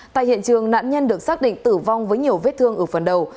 tại hiện trường nạn nhân được xác định tử vong với nhiều vết thương ở phần đầu